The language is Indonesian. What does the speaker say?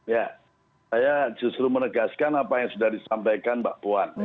ya saya justru menegaskan apa yang sudah disampaikan mbak puan